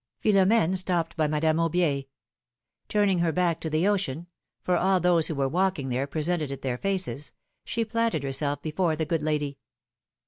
Philomene stopped by Madame Aubier. Turning her back to the ocean — for all those who were walking there presented it their faces — she planted herself before the good lady.